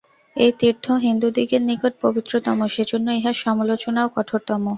এই তীর্থ হিন্দুদিগের নিকট পবিত্রতম, সেজন্য ইহার সমালোচনাও কঠোরতম।